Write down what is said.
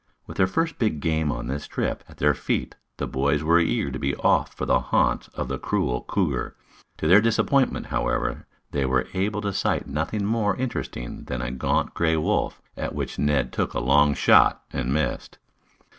With their first big game, on this trip, at their feet, the boys were eager to be off for the haunts of the cruel cougar. To their disappointment, however, they were able to sight nothing more interesting than a gaunt gray wolf, at which Ned took a long shot and missed.